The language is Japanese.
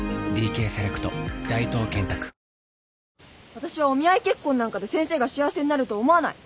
私はお見合い結婚なんかで先生が幸せになると思わない。